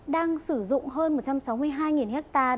đang sử dụng hơn một trăm sáu mươi hai ha